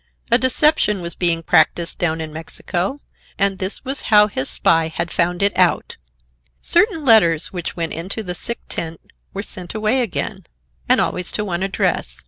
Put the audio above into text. A deception was being practised down in New Mexico, and this was how his spy had found it out. Certain letters which went into the sick tent were sent away again, and always to one address.